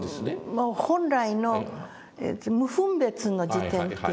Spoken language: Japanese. もう本来の無分別の時点っていうかな。